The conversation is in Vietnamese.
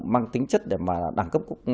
mang tính chất để mà đẳng cấp